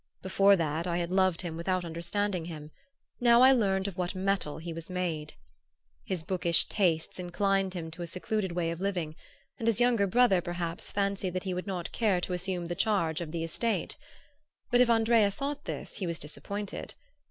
Before that I had loved him without understanding him; now I learned of what metal he was made. His bookish tastes inclined him to a secluded way of living; and his younger brother perhaps fancied that he would not care to assume the charge of the estate. But if Andrea thought this he was disappointed.